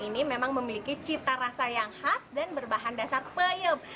ini memang memiliki cita rasa yang khas dan berbahan dasar peyep